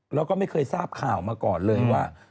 แล้วก็ไม่เคยทราบข่าวมาก่อนเลยว่า